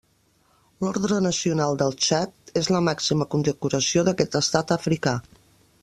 L'Orde Nacional del Txad és la màxima condecoració d'aquest estat africà.